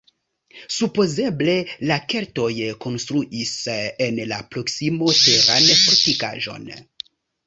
Supozeble la keltoj konstruis en la proksimo teran fortikaĵon.